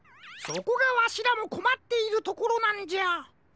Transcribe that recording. そこがわしらもこまっているところなんじゃ。